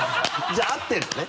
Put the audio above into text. じゃあ合ってるのね？